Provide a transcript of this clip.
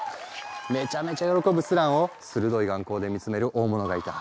めちゃめちゃ喜ぶスランを鋭い眼光で見つめる大物がいた。